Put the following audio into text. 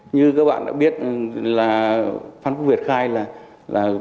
như các bạn đã biết là pháp quốc việt khai là là